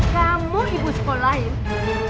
kamu ibu sekolah lain